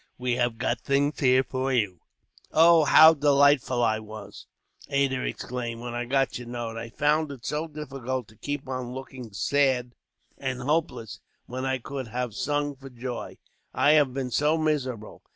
We have got things here for you." "Oh, how delighted I was," Ada exclaimed, "when I got your note! I found it so difficult to keep on looking sad and hopeless, when I could have sung for joy. I had been so miserable.